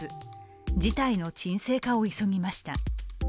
事態の鎮静化を急ぎました。